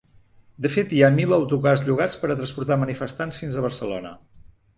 De fet, hi ha mil autocars llogats per a transportar manifestants fins a Barcelona.